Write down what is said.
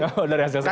oh dari hasil survei